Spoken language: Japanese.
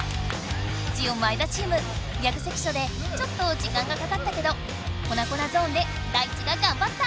ジオ前田チームギャグ関所でちょっと時間がかかったけど粉粉ゾーンでダイチががんばった！